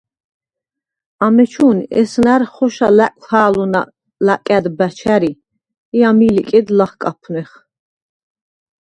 ამეჩუ̄ნ ესნა̈რ ხოშა ლა̈კუ̂ჰა̄ლუ̂ნა ლაკა̈დ ბა̈ჩ ა̈რი ი ამი̄ ლიკედ ლახკაფუ̂ნეხ.